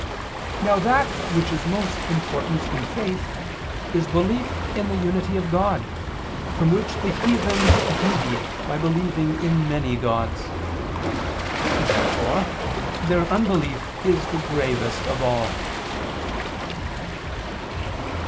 Now that which is most important in faith, is belief in the unity of God, from which the heathens deviate by believing in many gods. Therefore their unbelief is the gravest of all.